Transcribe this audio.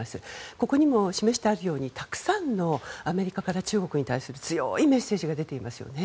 ここにも示してあるようにたくさんのアメリカから中国に対する強いメッセージが出ていますよね。